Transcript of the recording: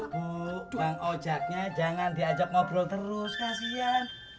bu bu bang ojaknya jangan diajak ngobrol terus kasihan